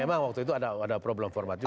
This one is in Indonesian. memang waktu itu ada problem format juga